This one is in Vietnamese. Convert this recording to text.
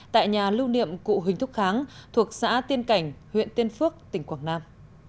tại nhà lưu niệm cụ huỳnh thúc kháng thuộc xã tiên cảnh huyện tiên phước tỉnh quảng nam